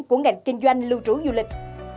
của ngành kinh doanh lưu trú du lịch